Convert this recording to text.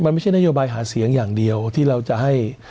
มันไม่ใช่นโยบายหาเสียงอย่างเดียวที่เราจะให้